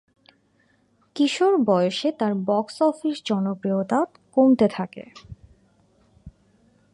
কিশোর বয়সে তার box office জনপ্রিয়তা কমতে থাকে।